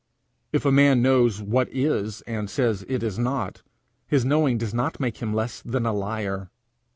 If a man knows what is, and says it is not, his knowing does not make him less than a liar.